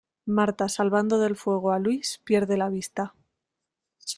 Marta, salvando del fuego a Luis, pierde la vista.